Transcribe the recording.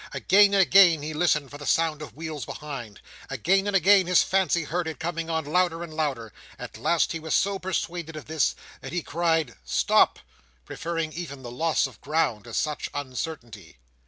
Again and again he listened for the sound of wheels behind. Again and again his fancy heard it, coming on louder and louder. At last he was so persuaded of this, that he cried out, "Stop" preferring even the loss of ground to such uncertainty.